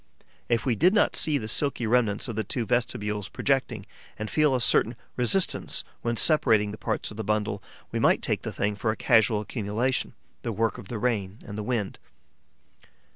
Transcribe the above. If we did not see the silky remnants of the two vestibules projecting and feel a certain resistance when separating the parts of the bundle, we might take the thing for a casual accumulation, the work of the rain and the wind.